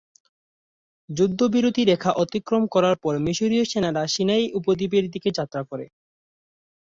যুদ্ধবিরতি রেখা অতিক্রম করার পর মিশরীয় সেনারা সিনাই উপদ্বীপের দিকে যাত্রা করে।